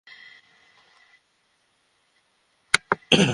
প্রথমে থাকবে আপনার নাম!